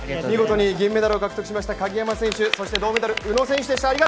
見事に銀メダルを獲得しました鍵山選手そして、銅メダル宇野選手でした。